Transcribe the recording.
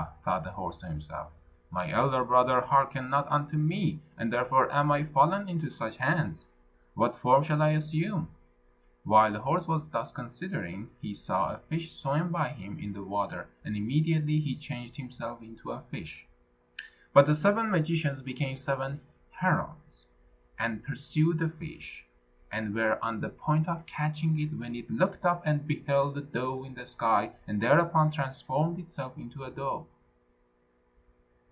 thought the horse to himself, "my elder brother hearkened not unto me, and therefore am I fallen into such hands. What form shall I assume?" While the horse was thus considering, he saw a fish swim by him in the water, and immediately he changed himself into a fish. But the seven magicians became seven herons, and pursued the fish, and were on the point of catching it, when it looked up and beheld a dove in the sky, and thereupon transformed itself into a dove.